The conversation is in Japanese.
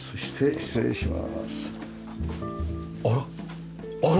失礼します。